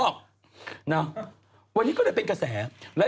เพราะวันนี้หล่อนแต่งกันได้ยังเป็นสวย